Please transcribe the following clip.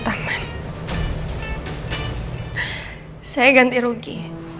saya sudah ganti rugi